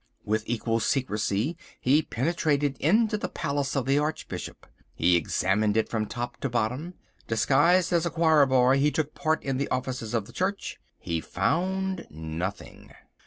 With equal secrecy he penetrated into the palace of the Archbishop. He examined it from top to bottom. Disguised as a choir boy he took part in the offices of the church. He found nothing.